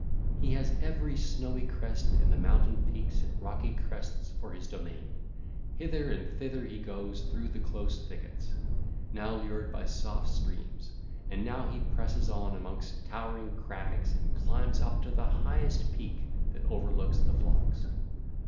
He has every snowy crest and the mountain peaks and rocky crests for his domain; hither and thither he goes through the close thickets, now lured by soft streams, and now he presses on amongst towering crags and climbs up to the highest peak that overlooks the flocks.